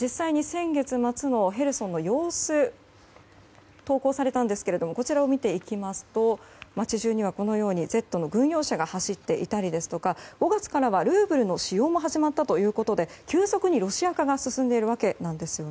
実際に先月末のヘルソンの様子が投稿されたんですがこちらを見ていきますと街中には、Ｚの軍用車が走っていたりですとか５月からはルーブルの使用も始まったということで急速にロシア化が進んでいるわけです。